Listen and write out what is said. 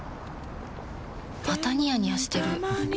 またニヤニヤしてるふふ。